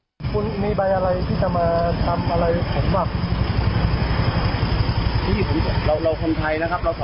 เออขอรูปเต๋าด้วยตั้งแต่จะเป็นพวกเกียงไทยไทยอ่อน